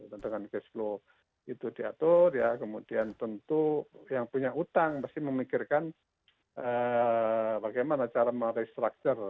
tentang cash flow itu diatur ya kemudian tentu yang punya utang pasti memikirkan bagaimana cara merestructure